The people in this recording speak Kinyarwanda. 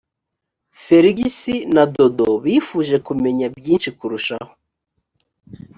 felix na dodo bifuje kumenya byinshi kurushaho